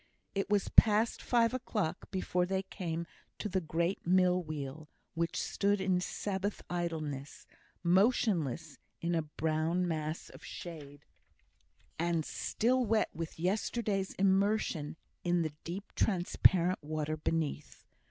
It was past five o'clock before they came to the great mill wheel, which stood in Sabbath idleness, motionless in a brown mass of shade, and still wet with yesterday's immersion in the deep transparent water beneath.